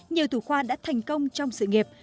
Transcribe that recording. nhiều thủ khoa đã thành công trong sự nghiệp